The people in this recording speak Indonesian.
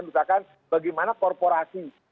misalkan bagaimana korporasi